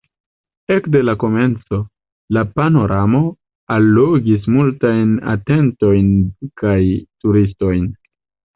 Ekde la komenco, la panoramo allogis multajn atenton kaj turistojn.